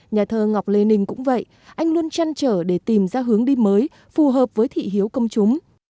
nhà thơ ngọc lê ninh cũng vậy anh luôn chăn trở để tìm ra hướng đi mới phù hợp với thị hiếu công chúng